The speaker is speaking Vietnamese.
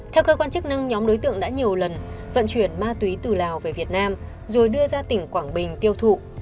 theo cơ quan chức năng nhóm đối tượng đã nhiều lần vận chuyển ma túy từ lào về việt nam rồi đưa ra tỉnh quảng bình tiêu thụ